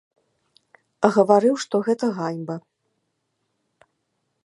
А гаварыў, што гэта ганьба.